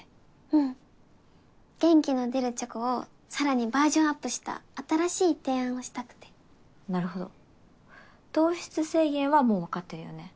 うん元気の出るチョコをさらにバージョンアップした新しい提案をしたくてなるほど糖質制限はもう分かってるよね？